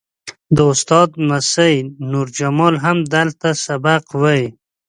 د استاد لمسی نور جمال هم دلته سبق وایي.